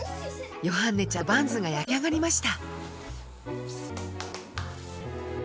ヨハンネちゃんのバンズが焼き上がりました。